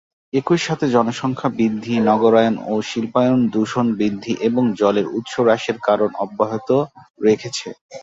একই সাথে জনসংখ্যা বৃদ্ধি, নগরায়ন ও শিল্পায়ন দূষণ বৃদ্ধি এবং জলের উৎস হ্রাসের কারণ অব্যাহত রেখেছে।